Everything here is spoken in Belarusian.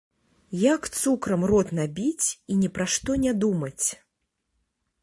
Як цукрам рот набіць і ні пра што не думаць.